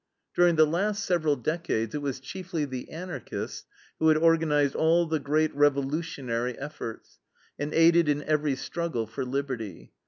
During the last several decades it was chiefly the Anarchists who had organized all the great revolutionary efforts, and aided in every struggle for liberty.